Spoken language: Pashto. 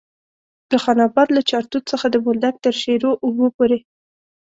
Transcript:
د خان اباد له چارتوت څخه د بولدک تر شیرو اوبو پورې.